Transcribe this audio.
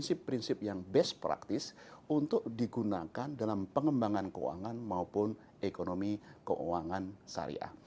dan juga prinsip yang best practice untuk digunakan dalam pengembangan keuangan maupun ekonomi keuangan syariah